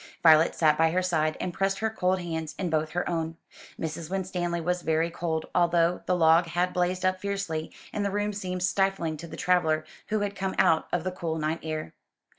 Violet sat by her side, and pressed her cold hands in both her own. Mrs. Winstanley was very cold, although the log had blazed up fiercely, and the room seemed stifling to the traveller who had come out of the cool night air.